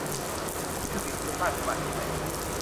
นี่คือสิ่งที่คุณสร้างขึ้นมาใช่มั้ย